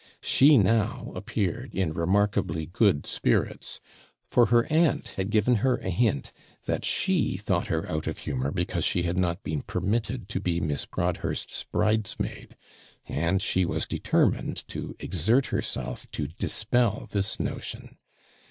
She now appeared in remarkably good spirits; for her aunt had given her a hint that she thought her out of humour because she had not been permitted to be Miss Broadhurst's bridesmaid, and she was determined to exert herself to dispel this notion.